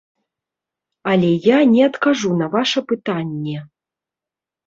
Але я не адкажу на ваша пытанне.